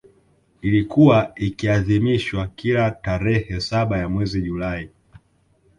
Ilikuwa ikiadhimishwa kila tarehe saba ya mwezi julai